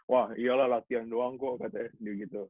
wah iyalah latihan doang kok katanya begitu